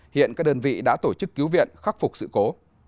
hiện các đơn vị đã tổ chức cứu viện khắc phục sự cố